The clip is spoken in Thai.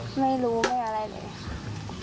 ไม่รู้ไม่อะไรเลยค่ะ